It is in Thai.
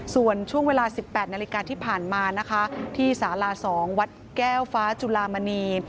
ส่วนช่วงเวลา๑๘นาฬิกาที่ผ่านมานะคะที่สาลา๒วัดแก้วฟ้าจุลามณี